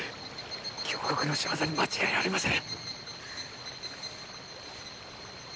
京極の仕業に間違いありません。